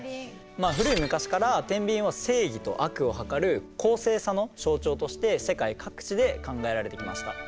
古い昔から天秤は正義と悪を量る公正さの象徴として世界各地で考えられてきました。